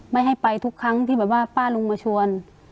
ไม่ให้ไปทุกครั้งที่แบบว่าป้าลุงมาชวน